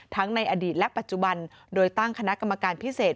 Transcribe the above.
ในอดีตและปัจจุบันโดยตั้งคณะกรรมการพิเศษ